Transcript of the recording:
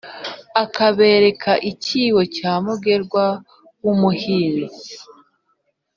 akabereka icyibo cya mugerwa w'umuhinzi,